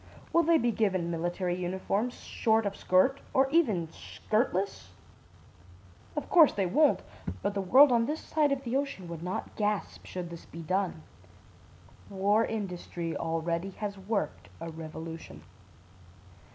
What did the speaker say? Will they be given military uniforms short of skirt or even skirtless? Of course they won't; but the world on this side of the ocean would not gasp should this be done. War industry already has worked a revolution.